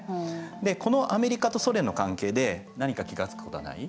でこのアメリカとソ連の関係で何か気が付くことはない？